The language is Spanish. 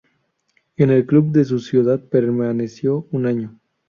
En el club de su ciudad permaneció un año.